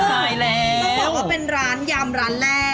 ประมาณว่าเป็นร้านย่ามร้านแรก